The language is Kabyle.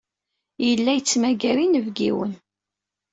Yella yettmagar inebgiwen.